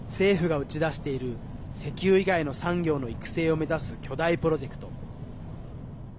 政府が打ち出している石油以外の産業の育成を目指す巨大プロジェクト。